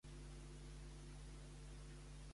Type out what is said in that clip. Què li passa a poc a poc al Botànic?